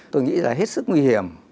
tôi nghĩ là hết sức nguy hiểm